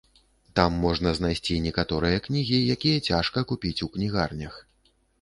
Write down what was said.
Там можна знайсці некаторыя кнігі, якія цяжка купіць у кнігарнях.